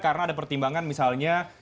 karena ada pertimbangan misalnya